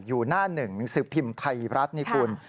อยู่หน้าหนึ่งสิบพิมพ์ไทรัศน์